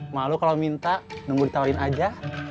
malu kalau minta nunggu ditawarin aja